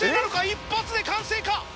一発で完成か？